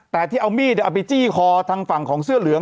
แต่ที่เอามีดเอาไปจี้คอทางฝั่งของเสื้อเหลือง